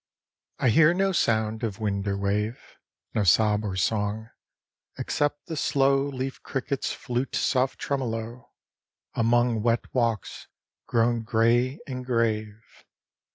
I hear no sound of wind or wave; No sob or song, except the slow Leaf cricket's flute soft tremolo, Among wet walks grown gray and grave.